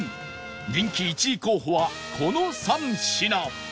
人気１位候補はこの３品